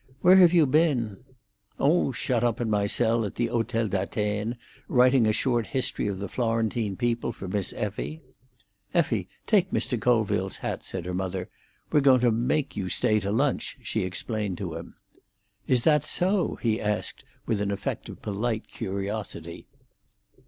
"Where have you been?" "Oh, shut up in my cell at Hotel d'Atene, writing a short history of the Florentine people for Miss Effie." "Effie, take Mr. Colville's hat," said her mother. "We're going to make you stay to lunch," she explained to him. "Is that so?" he asked, with an effect of polite curiosity.